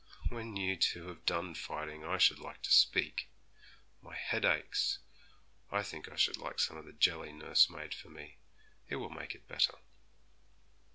'When you two have done fighting I should like to speak. My head aches. I think I should like some of the jelly nurse made for me. It will make it better.'